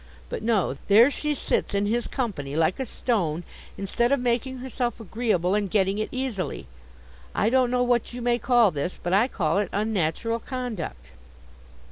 But no. There she sits in his company like a stone, instead of making herself agreeable and getting it easily. I don't know what you may call this, but I call it unnatural conduct.